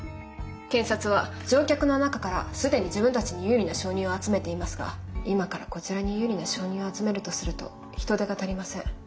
検察は乗客の中から既に自分たちに有利な証人を集めていますが今からこちらに有利な証人を集めるとすると人手が足りません。